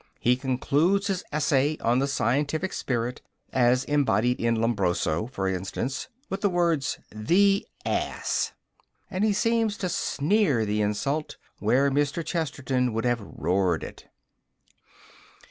He concludes his essay on the scientific spirit, as embodied in Lombroso, for instance, with the words, "The Ass!" And he seems to sneer the insult where Mr. Chesterton would have roared it.